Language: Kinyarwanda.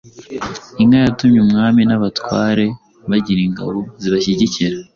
Inka yatumye umwami n'abatware bagira ingabo zibashyigikira.